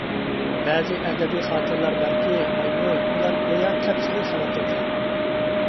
بەزى ئەدەبىي خاتىرىلەر باركى، ۋاي-ۋۇي. ئۇلار گويا تەپسىلىي خەۋەردەكلا.